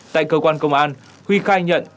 tại cơ quan công an huy khai nhận